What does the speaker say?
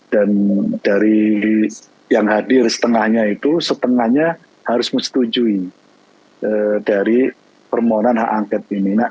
dan dari yang hadir setengahnya itu setengahnya harus menetujui dari permohonan hak angket ini